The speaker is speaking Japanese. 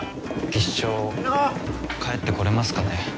技師長帰ってこれますかね？